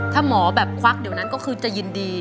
ถ้าหมอแบบควักเดี๋ยวนั้นก็คือจะยินดี